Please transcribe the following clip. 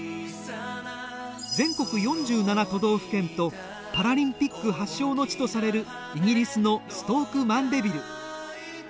全国４７都道府県とパラリンピック発祥の地とされるイギリスのストーク・マンデビル。